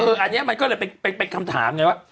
อันนี้มันก็เลยเป็นคำถามไงว่า